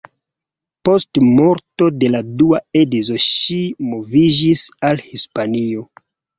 Post morto de la dua edzo ŝi moviĝis al Hispanio.